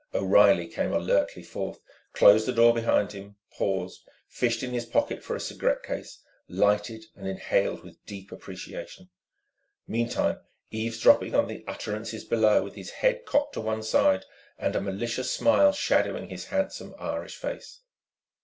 O'Reilly came alertly forth, closed the door behind him, paused, fished in his pocket for a cigarette case, lighted and inhaled with deep appreciation, meantime eavesdropping on the utterances below with his head cocked to one side and a malicious smile shadowing his handsome Irish face.